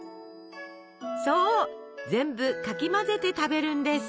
そう全部かき混ぜて食べるんです。